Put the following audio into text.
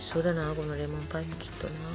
このレモンパイきっとな。